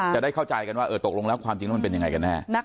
จะได้เข้าใจกันว่าตกลงแล้วความจริงแล้วมันเป็นยังไงกันแน่